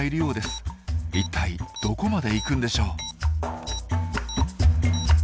一体どこまで行くんでしょう？